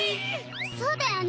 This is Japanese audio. そうだよね